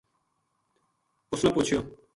اس نا پُچھیو